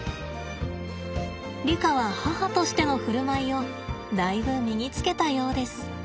リカは母としての振る舞いをだいぶ身につけたようです。